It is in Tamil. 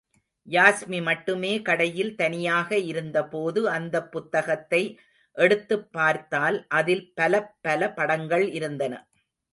யாஸ்மி மட்டுமே கடையில் தனியாக இருந்தபோது அந்தப் புத்தகத்தை எடுத்துப் பார்த்தால் அதில் பலப் பல படங்கள் இருந்தன.